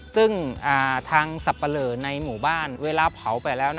ซึ่งทางสับปะเหลอในหมู่บ้านเวลาเผาไปแล้ว